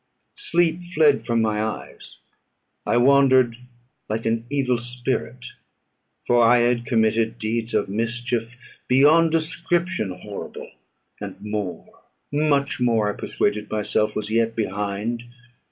Sleep fled from my eyes; I wandered like an evil spirit, for I had committed deeds of mischief beyond description horrible, and more, much more (I persuaded myself), was yet behind.